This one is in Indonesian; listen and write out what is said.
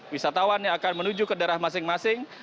wisatawan yang akan menuju ke daerah masing masing